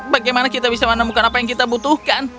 bagaimana kita bisa menemukan apa yang kita butuhkan